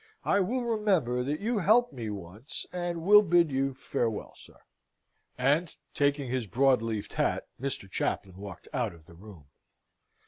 I will remember that you helped me once, and will bid you farewell, sir." And, taking his broad leafed hat, Mr. Chaplain walked out of the room.